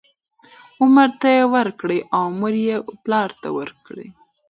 عمر ته یې ورکړې او عمر یې پلار ته ورکړې،